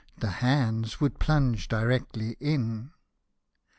The hands would plunge directly in.